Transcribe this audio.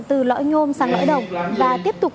từ lõi nhôm sang lõi đồng và tiếp tục